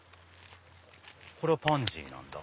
これはパンジーなんだ。